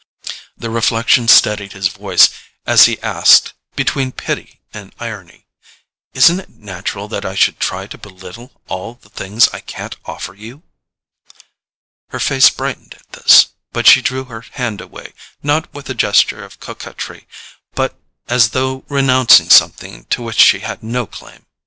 The reflection steadied his voice as he asked, between pity and irony: "Isn't it natural that I should try to belittle all the things I can't offer you?" Her face brightened at this, but she drew her hand away, not with a gesture of coquetry, but as though renouncing something to which she had no claim.